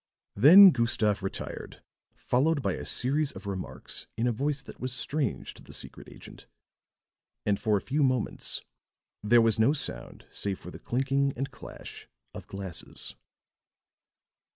Then Gustave retired, followed by a series of remarks in a voice that was strange to the secret agent, and for a few moments there was no sound save the clinking and clash of glasses.